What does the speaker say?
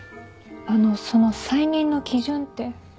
あのその再任の基準って？